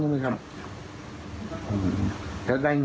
เมื่อกี่นั่งทำงานอยู่